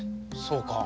そうか。